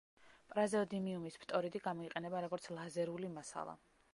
პრაზეოდიმიუმის ფტორიდი გამოიყენება როგორც ლაზერული მასალა.